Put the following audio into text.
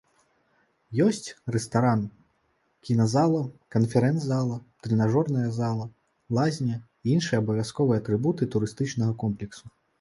Ёсць рэстаран, кіназала, канферэнц-зала, трэнажорная зала, лазня і іншыя абавязковыя атрыбуты турыстычнага комплексу.